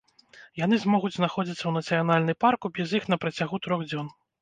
Яны змогуць знаходзіцца ў нацыянальны парку без іх на працягу трох дзён.